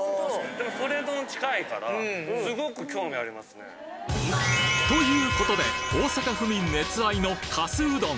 でも近いからすごく興味ありますね。ということで大阪府民熱愛のかすうどん